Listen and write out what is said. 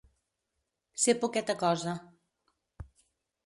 Ser poqueta cosa.